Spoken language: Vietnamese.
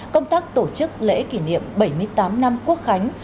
công tác tổ chức lễ kỷ niệm bảy mươi tám năm quốc khánh